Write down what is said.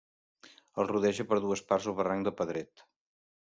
El rodeja per dues parts el Barranc de Pedret.